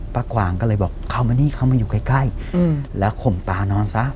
กวางก็เลยบอกเข้ามานี่เข้ามาอยู่ใกล้แล้วข่มตานอนซะ